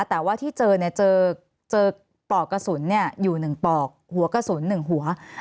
แต่ว่าที่เจอเจอปลอกกระสุนอยู่๑ปลอกหัวกระสุน๑หัว